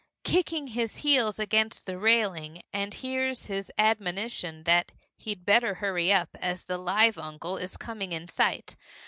kicking his heels against the railing, and hears his admonition that he'd better hurry up, as the live uncle is coming in sight.